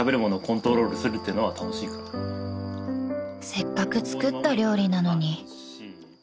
［せっかく作った料理なのに］